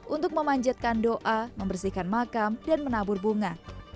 untuk memanjatkan doa membersihkan makam dan menabur bunga